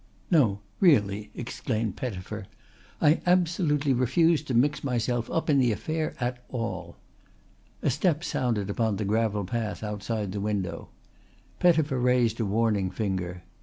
"No really," exclaimed Pettifer. "I absolutely refuse to mix myself up in the affair at all." A step sounded upon the gravel path outside the window. Pettifer raised a warning finger.